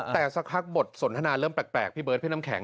แต่สักพักบทสนทนาเริ่มแปลกพี่เบิร์ดพี่น้ำแข